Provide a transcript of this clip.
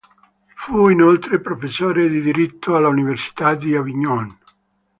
Fu inoltre professore di diritto all'Università di Avignone.